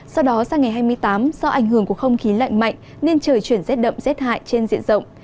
sau đó sang ngày hai mươi tám do ảnh hưởng của không khí lạnh mạnh nên trời chuyển rét đậm rét hại trên diện rộng